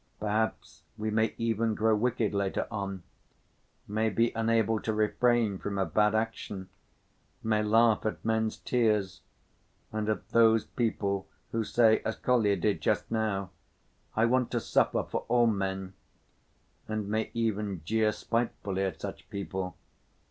Perhaps we may even grow wicked later on, may be unable to refrain from a bad action, may laugh at men's tears and at those people who say as Kolya did just now, 'I want to suffer for all men,' and may even jeer spitefully at such people.